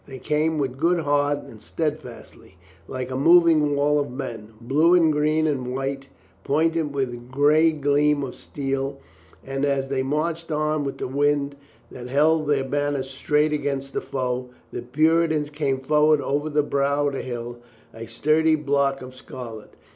They came with good heart enough, stead fastly, like a moving wall of men, blue and green and white, pointed with a gray gleam of steel, and as they marched on with the wind that held their banners straight against the foe, the Puritans came forward over the brow of the hill a sturdy block of scarlet.